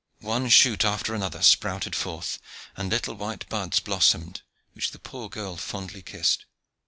One shoot after another sprouted forth, and little white buds blossomed, which the poor girl fondly kissed.